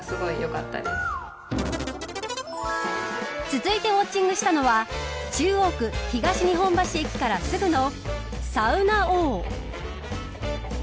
続いてウォッチングしたのは中央区、東日本橋駅からすぐのサウナ・オー。